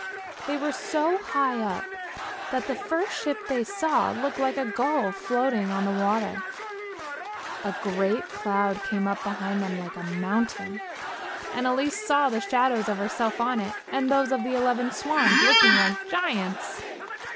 They were so high up that the first ship they saw looked like a gull floating on the water. A great cloud came up behind them like a mountain, and Elise saw the shadow of herself on it, and those of the eleven swans looking like giants.